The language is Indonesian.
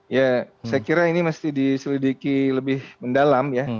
ya saya kira ini mesti diselidiki lebih mendalam ya